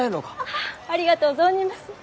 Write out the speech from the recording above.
ああありがとう存じます。